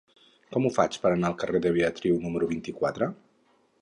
Com ho faig per anar al carrer de Beatriu número vuitanta-quatre?